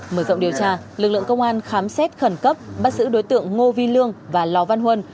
mở rộng điều tra lực lượng công an khám xét khẩn cấp bắt giữ đối tượng ngô vi lương và lò văn huân